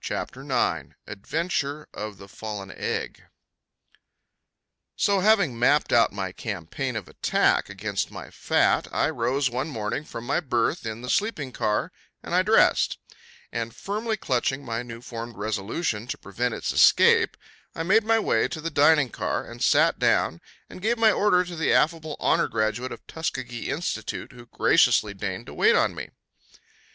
CHAPTER IX Adventure of The Fallen Egg So, having mapped out my campaign of attack against my fat, I rose one morning from my berth in the sleeping car and I dressed; and firmly clutching my new formed resolution to prevent its escape, I made my way to the dining car and sat down and gave my order to the affable honor graduate of Tuskegee Institute who graciously deigned to wait on me.